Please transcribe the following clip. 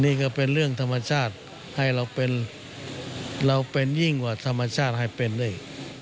นี่ก็เป็นเรื่องธรรมชาติให้เราเป็นเราเป็นยิ่งกว่าธรรมชาติให้เป็นด้วย